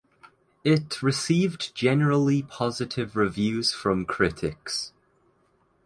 It received generally positive reviews from critics.